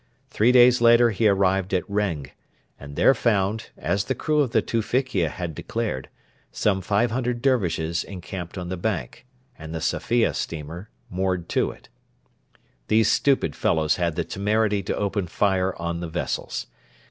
Three days later he arrived at Reng, and there found, as the crew of the Tewfikia had declared, some 500 Dervishes encamped on the bank, and the Safia steamer moored to it. These stupid fellows had the temerity to open fire on the vessels.